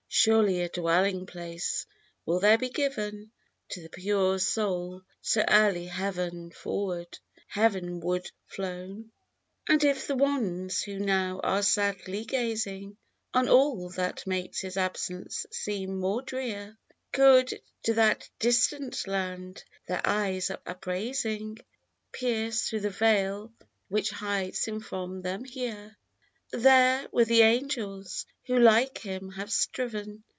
Surely a dwelling place will there be given To the pure soul so early heav'n ward flown ! 29 And if the ones who now are sadly gazing, On all that makes his absence seem more drear, Could, to that distant land their eyes upraising, Pierce through the veil which hides him from them here ; There, with the Angels, who like him have striven.